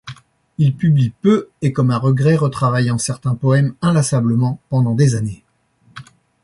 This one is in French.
Il publie peu et comme à regret, retravaillant certains poèmes inlassablement pendant des années.